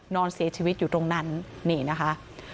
นอนเสียชีวิตอยู่ตรงนั้นนี่นะคะ